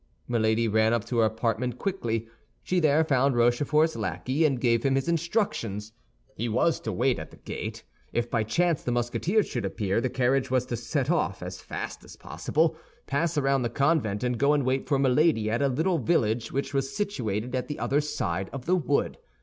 Milady ran up to her apartment quickly; she there found Rochefort's lackey, and gave him his instructions. He was to wait at the gate; if by chance the Musketeers should appear, the carriage was to set off as fast as possible, pass around the convent, and go and wait for Milady at a little village which was situated at the other side of the wood.